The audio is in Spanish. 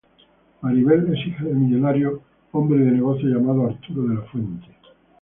Maribel es hija del millonario hombre de negocios llamado Arturo De La Fuente.